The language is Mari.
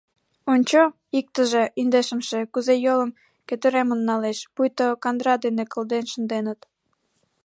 — Ончо, иктыже, индешымше, кузе йолым кӧтыремын налеш, пуйто кандыра дене кылден шынденыт.